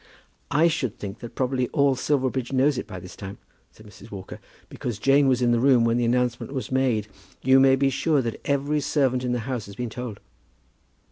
"I should think that probably all Silverbridge knows it by this time," said Mrs. Walker, "because Jane was in the room when the announcement was made. You may be sure that every servant in the house has been told."